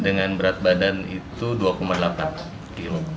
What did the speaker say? dengan berat badan itu dua delapan kg